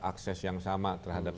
akses yang sama terhadap